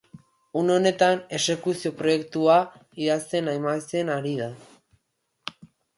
Une honetan exekuzio-proiektua idazten amaitzen ari da.